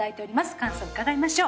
感想伺いましょう。